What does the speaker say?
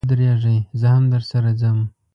و درېږئ، زه هم درسره ځم.